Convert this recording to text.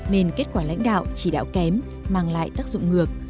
nên kết quả lãnh đạo chỉ đạo kém mang lại tác dụng ngược